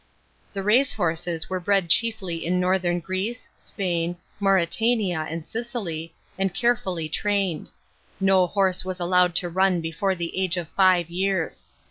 The race horses were bred el iefly in Northern Greece, Spain, Mauretauia, and Sicily, and carefully trained.|| No horse was allowed to run bt fore the age of five years.